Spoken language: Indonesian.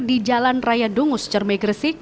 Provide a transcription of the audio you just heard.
di jalan raya dungus cermih gersik